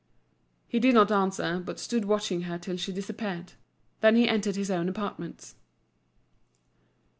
He did not answer, but stood watching her till she disappeared. Then he entered his own apartments.